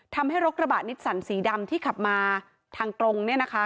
ทำให้รถกระบะนิตสันสีดำที่ขับมาทางตรงเนี่ยนะคะ